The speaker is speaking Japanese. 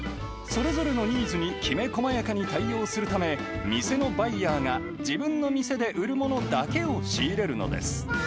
それぞれのニーズにきめこまやかに対応するため、店のバイヤーが自分の店で売るものだけを仕入れるのです。